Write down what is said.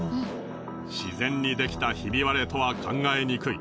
しぜんにできたひび割れとは考えにくい。